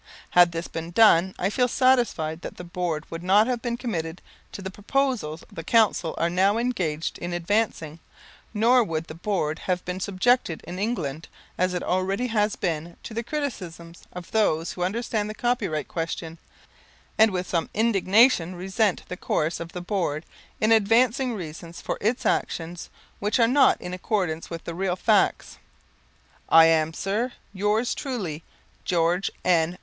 Had this been done, I feel satisfied that the Board would not have been committed to the proposals the Council are now engaged in advancing, nor would the Board have been subjected in England, as it already has been, to the criticisms of those who understand the copyright question, and with some indignation resent the course of the Board in advancing reasons for its action which are not in accordance with the real facts. I am, Sir, Yours truly, GEORGE N.